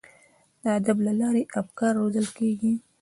د ادب له لارې افکار روزل کیږي.